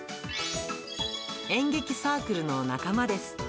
演劇サークルの仲間です。